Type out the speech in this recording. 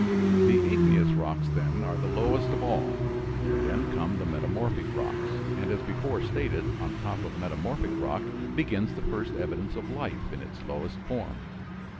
The igneous rocks, then, are the lowest of all; then come the metamorphic rocks; and as before stated, on top of metamorphic rock begins the first evidence of life in its lowest form.